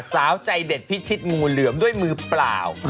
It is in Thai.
สาวใจเด็ดพิชิตงูเหลือมด้วยมือเปล่า